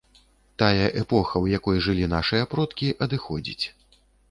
Тая эпоха, у якой жылі нашыя продкі, адыходзіць.